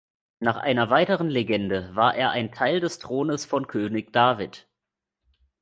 Nach einer weiteren Legende war er ein Teil des Thrones von König David.